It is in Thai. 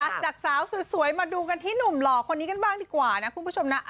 จากสาวสวยมาดูกันที่หนุ่มหล่อคนนี้กันบ้างดีกว่านะคุณผู้ชมนะ